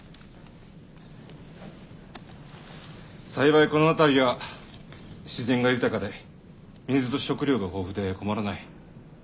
幸いこの辺りは自然が豊かで水と食料が豊富で困らない。